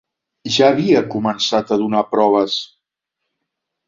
Ja havia començat a donar proves